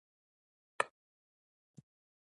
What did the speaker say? په دې صورت کې څوک باید کرکیله وکړي